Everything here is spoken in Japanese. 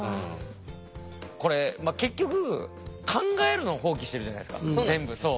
これ結局考えるのを放棄してるじゃないですか全部そう。